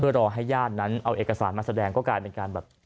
รอให้ญาตินั้นเอาเอกสารมาแสดงก็กลายเป็นการแบบ